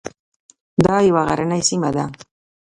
دا یوه غرنۍ سیمه ده.